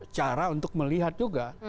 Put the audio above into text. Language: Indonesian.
cara untuk melihat juga